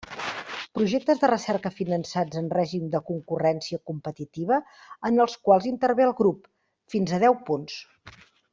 Projectes de recerca finançats en règim de concurrència competitiva en els quals intervé el grup: fins a deu punts.